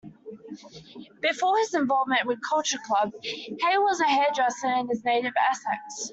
Before his involvement with Culture Club, Hay was a hairdresser in his native Essex.